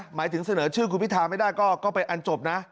หมายถึงเสนอชื่อคุณพิธาไม่ได้ก็เป็นอันจบนะ